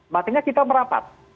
maksudnya kita merapat